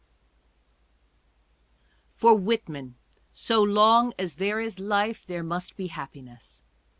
For Whitman, so long as there is life, there must be hap piness.